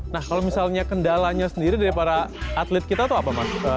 nah kalau misalnya kendalanya sendiri dari para atlet kita tuh apa mas